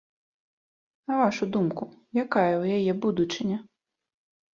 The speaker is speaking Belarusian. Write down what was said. На вашу думку, якая ў яе будучыня?